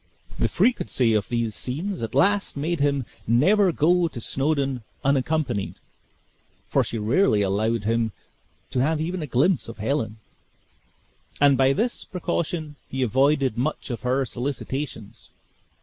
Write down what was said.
The frequency of these scenes at last made him never go to Snawdoun unaccompanied (for she rarely allowed him to have even a glimpse of Helen), and by this precaution he avoided much of her solicitations.